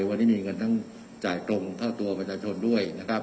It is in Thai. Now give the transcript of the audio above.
วันนี้มีเงินทั้งจ่ายตรงเท่าตัวประชาชนด้วยนะครับ